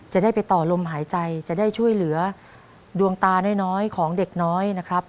จะได้ไปต่อลมหายใจจะได้ช่วยเหลือดวงตาน้อยของเด็กน้อยนะครับ